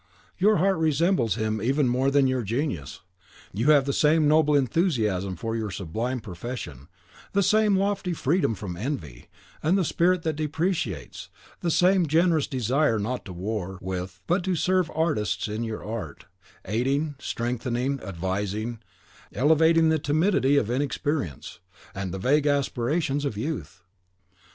Your heart resembles him even more than your genius: you have the same noble enthusiasm for your sublime profession; the same lofty freedom from envy, and the spirit that depreciates; the same generous desire not to war with but to serve artists in your art; aiding, strengthening, advising, elevating the timidity of inexperience, and the vague aspirations of youth.